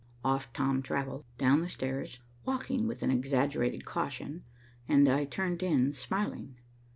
Off Tom travelled, down the stairs, walking with an exaggerated caution, and I turned in, smiling.